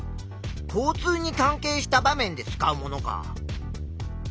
交通に関係した場面で使うものか。